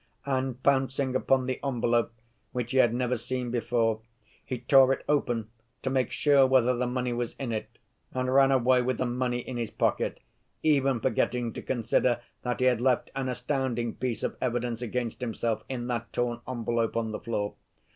And pouncing upon the envelope, which he had never seen before, he tore it open to make sure whether the money was in it, and ran away with the money in his pocket, even forgetting to consider that he had left an astounding piece of evidence against himself in that torn envelope on the floor.